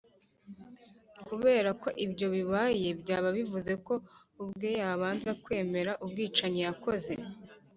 kubera ko ibyo bibaye byaba bivuga ko we ubwe yabanza kwemera ubwicanyi yakoze.